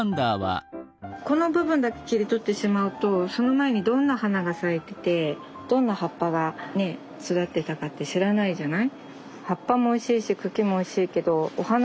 この部分だけ切り取ってしまうとその前にどんな花が咲いててどんな葉っぱがね育ってたかって知らないじゃない。